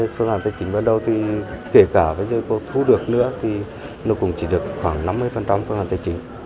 phương án tài chính ban đầu thì kể cả với dự án thu được nữa thì nó cũng chỉ được khoảng năm mươi phương án tài chính